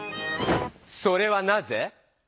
それはなぜ？